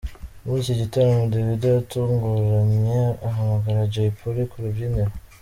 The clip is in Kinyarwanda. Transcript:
Muri iki gitaramo Davido yatunguranye ahamagara Jay Polly ku rubyiniro.